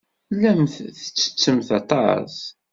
Tellamt tettettemt aṭas.